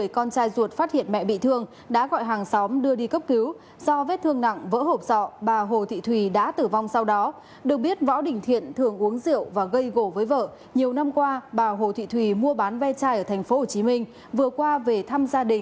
chào quý vị khán giả